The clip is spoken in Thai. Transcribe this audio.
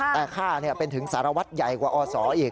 แต่ข้าเป็นถึงสารวัตรใหญ่กว่าอศอีก